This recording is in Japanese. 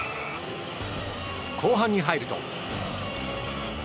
後半に入ると。